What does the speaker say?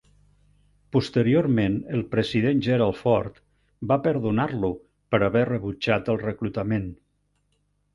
Posteriorment el president Gerald Ford va perdonar-lo per haver rebutjat el reclutament.